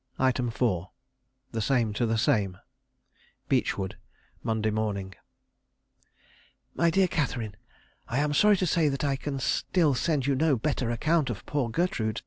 4. The Same to the Same. "Beechwood, Monday morning. "MY DEAR CATHERINE, "I am sorry to say I can still send you no better account of poor Gertrude.